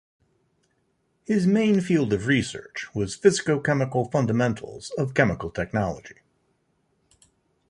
His main field of research was physicochemical fundamentals of chemical technology.